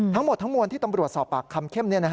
ทั้งหมดทั้งมวลที่ตำรวจสอบปากคำเข้ม